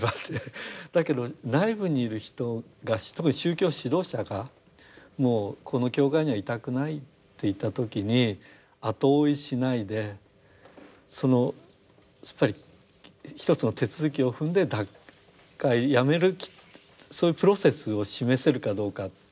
だけど内部にいる人が特に宗教指導者が「もうこの教会にはいたくない」と言った時に後追いしないですっぱり一つの手続きを踏んで脱会やめるそういうプロセスを示せるかどうか。